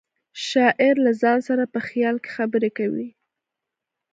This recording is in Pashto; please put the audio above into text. شاعر له ځان سره په خیال کې خبرې کوي